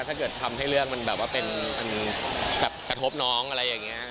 ถ้าเกิดทำให้เรื่องมันแบบว่ามันแบบกระทบน้องอะไรอย่างนี้